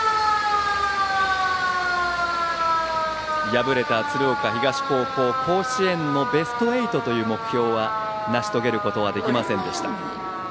敗れた鶴岡東高校甲子園のベスト８という目標は成し遂げられませんでした。